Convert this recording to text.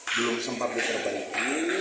belum sempat diperbaiki